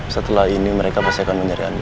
setelah ini mereka pasti akan mencari anda